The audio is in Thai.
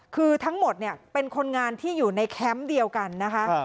คือทั้งหมดเนี่ยเป็นคนงานที่อยู่ในแคมป์เดียวกันนะคะ